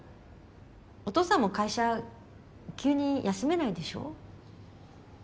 お父さんも会社急に休めないでしょ？